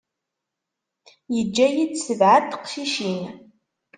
Yeǧǧa-yi-d sebɛa n teqcicin.